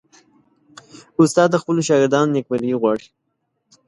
استاد د خپلو شاګردانو نیکمرغي غواړي.